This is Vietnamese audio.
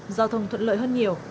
giao thông thuận lợi hơn nhiều